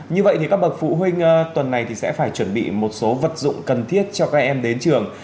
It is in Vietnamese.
như vậy thì các bậc phụ huynh tuần này sẽ phải chuẩn bị một số vật dụng cần thiết cho các em đến trường